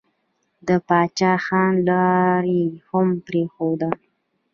د پاچا خان لاره يې هم پرېښوده.